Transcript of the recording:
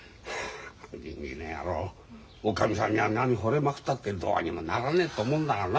銀次の野郎おかみさんにあんなにほれまくったってどうにもならねえと思うんだがな。